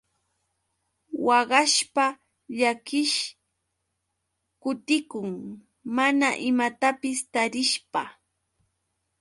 Waqashpa llakiish kutikun mana imatapis tarishpa.